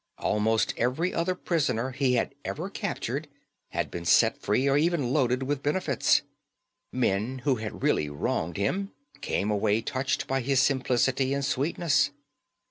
Almost every other prisoner he had ever captured had been set free or even loaded with benefits. Men who had really wronged him came away touched by his simplicity and sweetness.